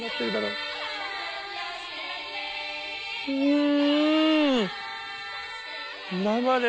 うん！